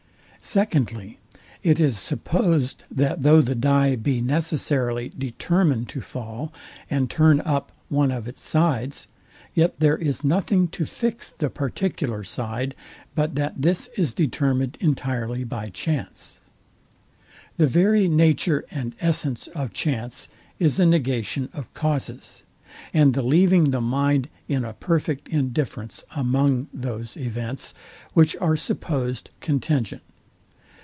Secondly, It is supposed, that though the dye be necessarily determined to fall, and turn up one of its sides, yet there is nothing to fix the particular side, but that this is determined entirely by chance. The very nature and essence of chance is a negation of causes, and the leaving the mind in a perfect indifference among those events, which are supposed contingent.